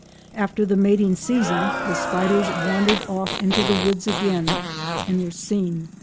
After the mating season the spiders wandered off into the woods again and were seen no more.